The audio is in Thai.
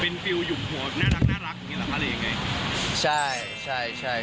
เป็นฟิวหยุ่งหัวน่ารักอย่างนี้แหละฮะเรนไง